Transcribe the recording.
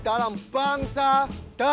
kalau yang ada